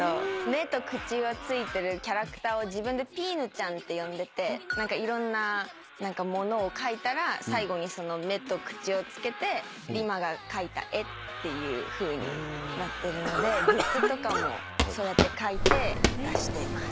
目と口が付いてるキャラクターを自分でピーヌちゃんって呼んでていろんなものを描いたら最後に目と口を付けてＲＩＭＡが描いた絵っていうふうになってるのでグッズとかもそうやって描いて出してます。